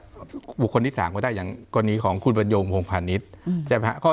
ปลูกคนนิสามก็ได้๐๐๑๔๔๒อย่างคนนี้ของคุณบรรยงพวงพลานิชศ์ใช่ไหมฮะ